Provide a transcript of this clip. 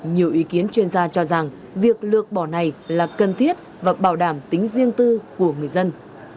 nhiều ý kiến chuyên gia cho rằng việc lược bỏ này là cần thiết và bảo đảm tính riêng tư của người dân